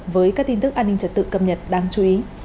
với các tin tức an ninh trật tự cập nhật đáng chú ý